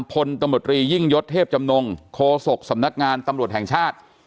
พลตำรวจรียิ่งยศเทพจำนงโคศกสำนักงานตำรวจแห่งชาติ